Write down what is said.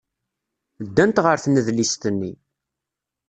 Ddant ɣer tnedlist-nni.